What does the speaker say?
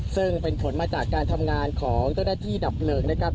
ซึ่งเป็นผลมาจากการทำงานของเจ้าหน้าที่ดับเพลิงนะครับ